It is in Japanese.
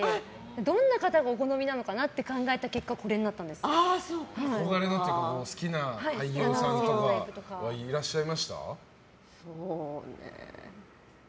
どんな方がお好みなのかなって考えた結果憧れのというか好きな俳優さんとかいらっしゃいました？